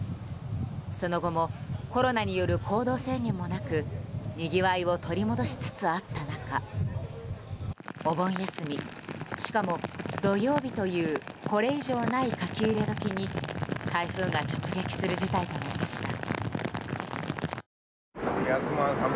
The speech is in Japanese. その後もコロナによる行動制限もなくにぎわいを取り戻しつつあった中お盆休み、しかも土曜日というこれ以上ない書き入れ時に台風が直撃する事態となりました。